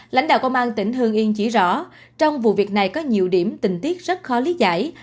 lãnh đạo công an tỉnh hương yên chỉ rõ trong vụ việc này có nhiều điểm tình tiết rất khó lý giải